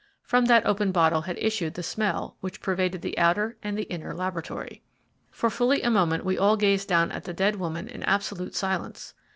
From that open bottle had issued the smell which pervaded the outer and the inner laboratory. For fully a moment we all gazed down at the dead woman in absolute silence.